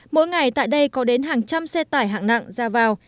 mỗi ngày tại đây có đến hàng trăm xe tải hạng nặng ra vào